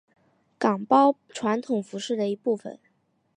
岗包传统服饰的一部分。